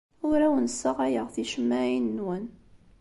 Ur awen-ssaɣayeɣ ticemmaɛin-nwen.